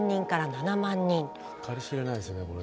計り知れないですよね。